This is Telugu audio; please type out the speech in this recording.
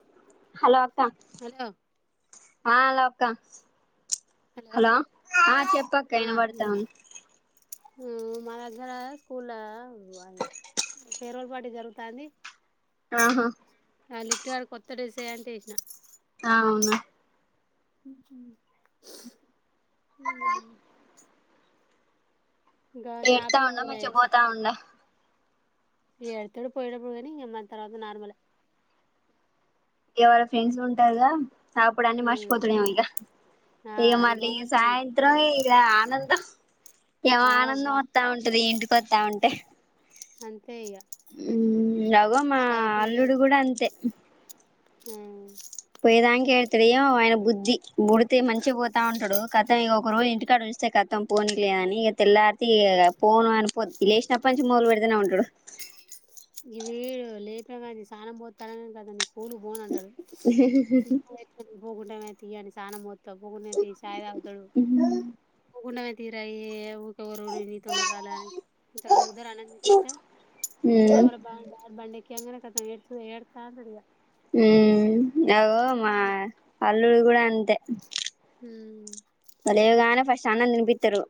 హలో అక్క హలో ఆ హలో అక్క హలో ఆ చెప్పక్క ఆ ఇనపడతాంది మా దగ్గర స్కూల్ ఫేర్వల్ పార్టీ జరుగుతాంది ఆహా ఆ లిట్టు గాడు కొత్త డ్రెస్సెయ్ అంటే ఎసిన అవునా ఇంకా ఏడతా ఉండ షాపింగ్ మంచిగా పోతా ఉండ ఏ ఎడుతడు పోయేటప్పుడు గానీ మళ్ళీ తర్వాత నార్మలె ఏ వాళ ఫ్రెండ్స్ ఉంటారుగా అప్పుడు అన్ని మర్చిపోతడెమో ఇక ఆ ఇక ఆడికి మళ్ళీ ఈ పోంగనే సైలెంట్ సాయంత్రం ఇక ఆనందం ఏమ ఆ ఆనందం అబ్బా వత్తా ఉంటది ఇంటికి వత్తా ఉంటే అ అగో మా అల్లుడు కూడ అంతే హ పోయేదానికి ఎడుతాడు ఏమో ఆయన బుద్ధి బుడితే మంచిగా పోతా ఉంటాడు కత ఇంక ఒక రోజు ఇంటికాడు స్తే కతం పోనిలే అని ఇక తెల్లారితే ఇగ పోను అని పోద్ లేచినప్పటి నుంచి మొదలు పెడుతేనే ఉంటాడు [inaudible] ఇ వీడు లేపేది స్నానం పోతారని కదాని పూలు పోన్ అంటాడు పోకుంటామ తీయని స్నం పో సప్పగున్నేది టి చాయ్ తాగుతడు ఉమ్ సప్పకున్న టీ [unintelligible] అన్నం తినిపితే నిన్న వాళ్ళ డాడీ బండి ఎక్కంగినే ఏడు ఏడుస్తా ఉండడు ఇగ హ అగో మా ఉమ్ అల్లుడు కూడా అంతే ఉ లేవగానే ఫస్ట్ అన్నం తినిపిత్తరు